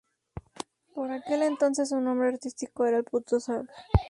Por aquel entonces su nombre artístico era el Puto Sark.